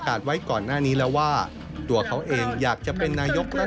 มันจะเกิดเกี่ยวกับความเชื่อมกลัว